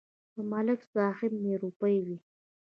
په ملک صاحب مې روپۍ وې.